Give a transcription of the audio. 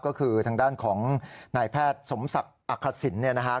ก็คือทางด้านของนายแพทย์สมศักดิ์อักษิณเนี่ยนะฮะ